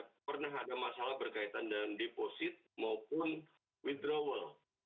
pernah ada masalah berkaitan dengan deposit maupun withdrawal